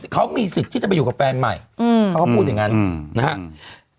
เขามีสิทธิ์ที่จะไปอยู่กับแฟนใหม่เขาก็พูดอย่างนั้นนะครับ